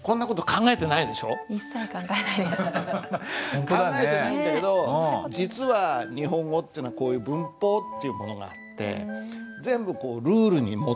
考えてないんだけど実は日本語というのはこういう文法っていうものがあって全部ルールに基づいてるんです。